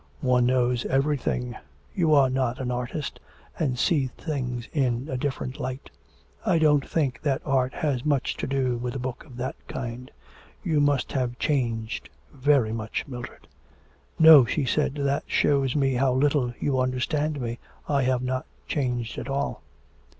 'One knows everything. You are not an artist, and see things in a different light.' 'I don't think that art has much to do with a book of that kind. You must have changed very much, Mildred.' 'No,' she said, 'that shows me how little you understand me. I have not changed at all.'